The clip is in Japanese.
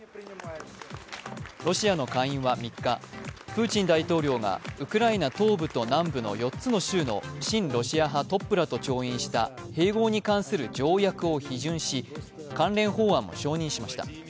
ロシアの下院は３日、プーチン大統領がウクライナ東部と南部の４つの州の親ロシア派トップらと調印した、併合に関する条約を批准し、関連法案を承認しました。